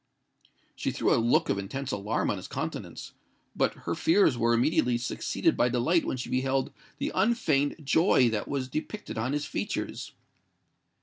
She threw a look of intense alarm on his countenance; but her fears were immediately succeeded by delight when she beheld the unfeigned joy that was depicted on his features.